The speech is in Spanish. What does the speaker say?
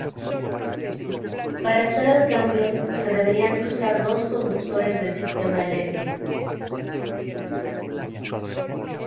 Para hacer el cambio se deberían cruzar dos conductores del sistema electrónico.